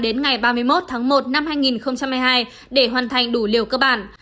đến ngày ba mươi một tháng một năm hai nghìn hai mươi hai để hoàn thành đủ liều cơ bản